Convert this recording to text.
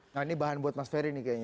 nah ini bahan buat mas ferry nih kayaknya